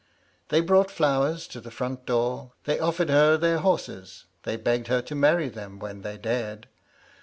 They brought flowers to the front door; they offered her their horses; they begged her to marry them when they dared.